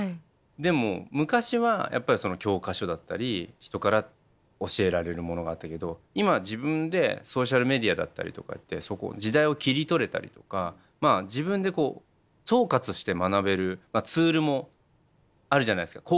でも昔はやっぱり教科書だったり人から教えられるものがあったけど今は自分でソーシャルメディアだったりとかって時代を切り取れたりとか自分でこう総括して学べるツールもあるじゃないですか